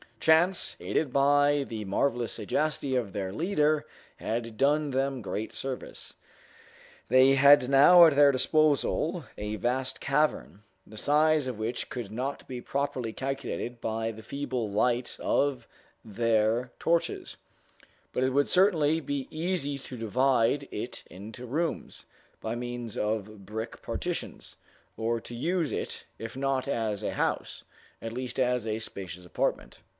Chance, aided by the marvelous sagacity of their leader, had done them great service. They had now at their disposal a vast cavern, the size of which could not be properly calculated by the feeble light of their torches, but it would certainly be easy to divide it into rooms, by means of brick partitions, or to use it, if not as a house, at least as a spacious apartment.